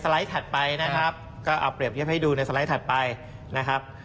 ใช่ขนาดนี้ไม่มีการกระตุ้นเลยนะ